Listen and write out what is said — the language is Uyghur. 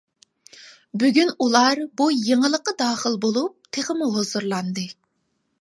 بۈگۈن ئۇلار بۇ يېڭىلىققا داخىل بولۇپ، تېخىمۇ ھۇزۇرلاندى.